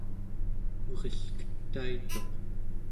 murilketaituq